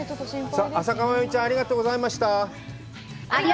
さあ、朝加真由美ちゃん、ありがとうございました！